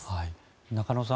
中野さん